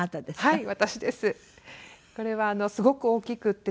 はい。